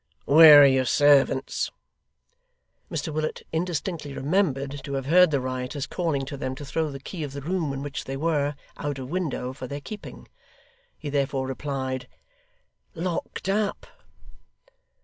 'Where are your servants?' Mr Willet indistinctly remembered to have heard the rioters calling to them to throw the key of the room in which they were, out of window, for their keeping. He therefore replied, 'Locked up.